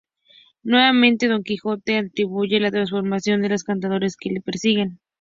Nuevamente don Quijote atribuye la transformación a los encantadores que le persiguen.